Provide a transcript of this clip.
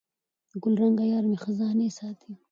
ګلرنګه یارمي خزانې ساتي